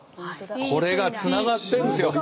これがつながってんすよ。